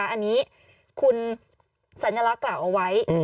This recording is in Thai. อันนี้คุณสัญลักษณ์กล่าวเอาไว้